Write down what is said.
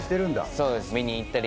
そうです。